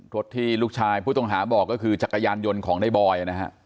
รถที่ลูกชายผู้ต้องหาบอกก็คือจักรยานยนต์ของในบอยนะฮะ